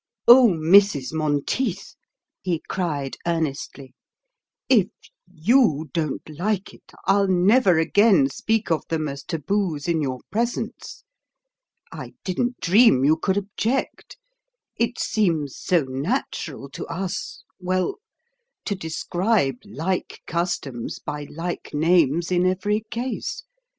"Oh, Mrs. Monteith," he cried earnestly, "if YOU don't like it, I'll never again speak of them as taboos in your presence. I didn't dream you could object. It seems so natural to us well to describe like customs by like names in every case.